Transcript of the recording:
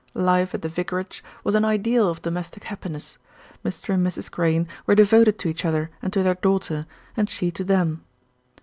Life at the vicarage was an ideal of domestic happiness. Mr. and Mrs. Crayne were devoted to each other and to their daughter, and she to them.